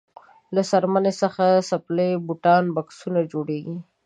له څرمنې څخه څپلۍ بوټان بکسونه جوړیږي.